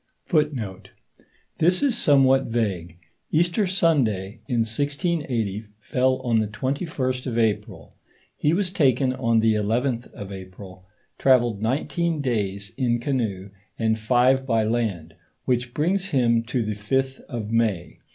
* This is somewhat vague; Easter Sunday, in 1680, fell on the 21st of April; he was taken on the 11th of April, travelled nineteen days in canoe, and five by land, which brings him to the 6th of May.